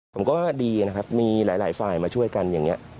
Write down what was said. ผมก็ดีนะครับมีหลายฝ่ายมาช่วยกันอย่างนี้